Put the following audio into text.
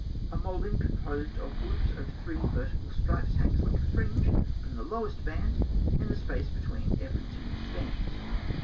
A moulding composed of groups of three vertical stripes hangs like a fringe from the lowest band in the space between every two stems.